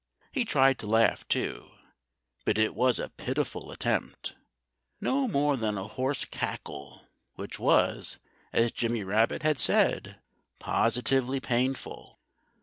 He tried to laugh, too; but it was a pitiful attempt no more than a hoarse cackle, which was, as Jimmy Rabbit had said, positively painful.